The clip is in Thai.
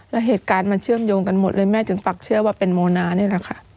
แล้วเหตุการณ์มันเชื่อมโยงกันหมดเลยแม่จึงปักเชื่อว่าเป็นโมนานี่แหละค่ะ